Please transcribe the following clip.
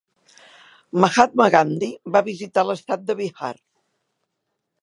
Mahatma Gandhi va visitar l'estat de Bihar.